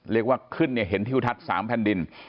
เรียกว่าขึ้นเนี่ยเห็นทิวทัศน์๓แผ่นดิน